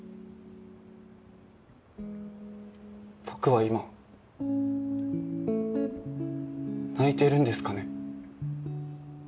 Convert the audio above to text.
僕は今泣いてるんですかね？